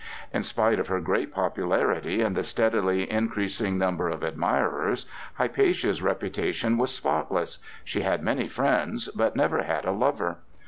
In spite of her great popularity and the steadily increasing number of admirers, Hypatia's reputation was spotless; she had many friends, but never had a lover.